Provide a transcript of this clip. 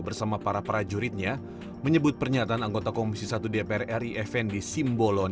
bersama para prajuritnya menyebut pernyataan anggota komisi satu dpr ri effendi simbolon